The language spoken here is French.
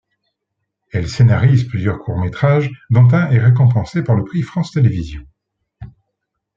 Elle scénarise plusieurs courts métrages dont un est récompensé par le prix France Télévisions.